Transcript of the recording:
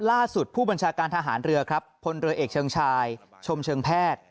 ล่าสุดผู้บัญชาการทหารเรือครับพลเรือเอกเชิงชายชมเชิงแพทย์